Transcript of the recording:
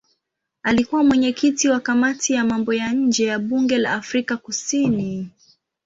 Alikuwa mwenyekiti wa kamati ya mambo ya nje ya bunge la Afrika Kusini.